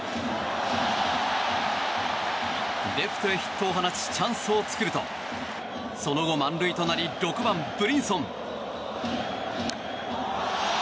レフトへヒットを放ちチャンスを作るとその後、満塁となり６番、ブリンソン。